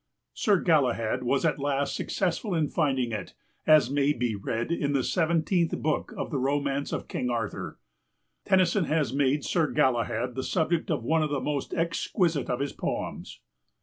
Sir Galahad was at last successful in finding it, as may be read in the seventeenth book of the Romance of King Arthur. Tennyson has made Sir Galahad the subject of one of the most exquisite of his poems.